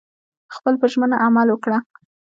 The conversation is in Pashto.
خپل په ژمنه عمل وکړه